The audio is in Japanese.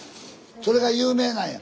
それが有名なんや。